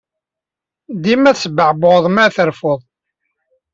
Dima tesbeɛbuɛed mi ara terfud.